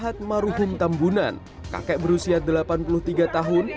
sehat maruhum tambunan kakek berusia delapan puluh tiga tahun